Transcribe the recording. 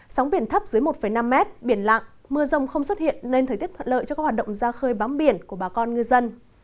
sóng biển thấp dưới một năm mét biển lặng mưa rông không xuất hiện nên thời tiết thuận lợi cho các hoạt động ra khơi bám biển của bà con ngư dân